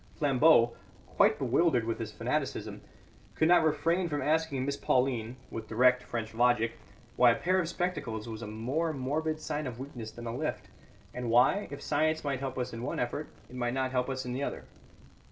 Flambeau, quite bewildered with this fanaticism, could not refrain from asking Miss Pauline (with direct French logic) why a pair of spectacles was a more morbid sign of weakness than a lift, and why, if science might help us in the one effort, it might not help us in the other.